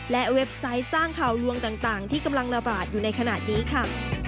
และเว็บไซต์สร้างข่าวลวงต่างที่กำลังระบาดอยู่ในขณะนี้ค่ะ